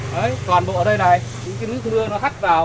thấy toàn bộ ở đây này những cái nước mưa nó hắt vào